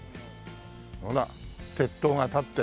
ほら鉄塔が立って。